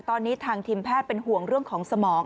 ตอนนี้ทางทีมแพทย์เป็นห่วงเรื่องของสมอง